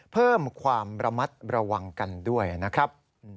เพิ่มความระมัดระวังกันด้วยนะครับ